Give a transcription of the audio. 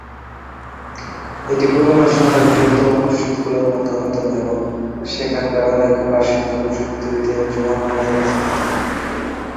এটি পুরনো শহরের বৃহত্তম মসজিদগুলোর মধ্যে অন্যতম এবং সেখানকার অনেক বাসিন্দা মসজিদটিতে জুমার নামাজে উপস্থিত হন।